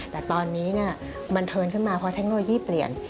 แต่ตอนนี้มันเทินขึ้นมาเพราะเทคโนโลยีเปลี่ยน